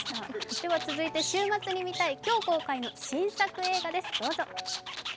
続いて週末に見たい今日公開の新作映画です。